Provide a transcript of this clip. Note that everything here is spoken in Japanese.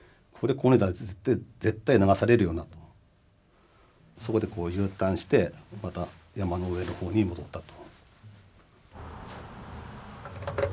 ここにいたら絶対流されるよなとそこでこうＵターンしてまた山の上の方に戻ったと。